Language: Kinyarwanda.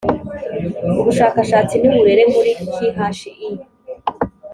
ubushakashatsi n uburere muri khi